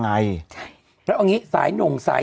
ไม่ต้องมีสายแล้วรึเปล่า